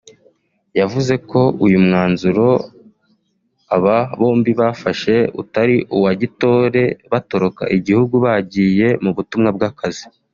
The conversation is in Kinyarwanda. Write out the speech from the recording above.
yavuze ko uyu mwanzuro aba bombi bafashe utari uwa gitore batoroka igihugu bagiye mu butumwa bw’akazi